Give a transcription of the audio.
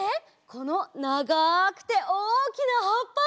このながくておおきなはっぱ！